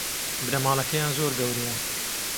بنەماڵەکەیان زۆر گەورەیە